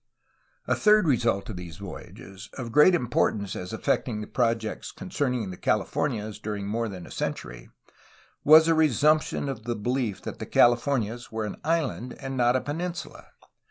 A third result of these voyages, of great importance as affecting projects concerning the Calif ornias during more than a century, was a resumption of the belief that the Californias were an island and not a peninsula.